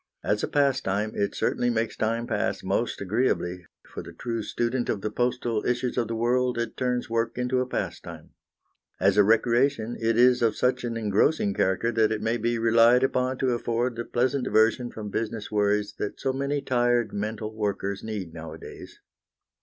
As a pastime, it certainly makes time pass most agreeably; for the true student of the postal issues of the world, it turns work into a pastime. As a recreation, it is of such an engrossing character that it may be relied upon to afford the pleasant diversion from business worries that so many tired mental workers need nowadays.